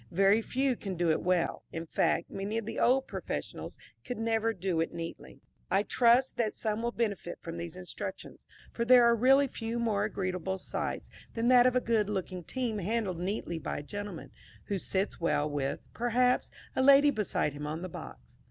Very few can do it well; in fact, many of the old professionals could never do it neatly. I trust that some will benefit from these instructions, for there are really few more agreeable sights than that of a good looking team handled neatly by a gentleman, who sits well, with, perhaps a lady beside him on the box.